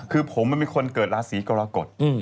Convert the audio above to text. คือผมมันมีคนเกิดราศีกรกฎ